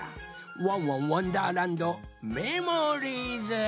「ワンワンわんだーらんどメモリーズ」。